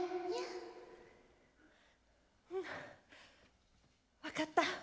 うん分かった。